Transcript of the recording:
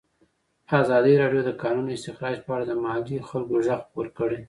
ازادي راډیو د د کانونو استخراج په اړه د محلي خلکو غږ خپور کړی.